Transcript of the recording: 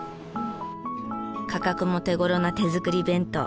価格も手頃な手作り弁当。